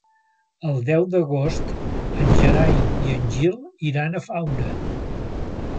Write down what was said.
El deu d'agost en Gerai i en Gil iran a Faura.